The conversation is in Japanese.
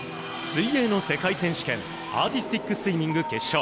水泳の世界選手権アーティスティックスイミング決勝。